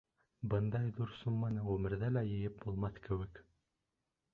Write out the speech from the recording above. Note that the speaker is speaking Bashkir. Бындай ҙур сумманы ғүмерҙә лә йыйып булмаҫ кеүек.